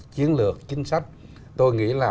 chiến lược chính sách tôi nghĩ là